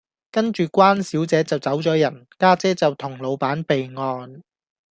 跟住關小姐就走左人，家姐就同老闆備案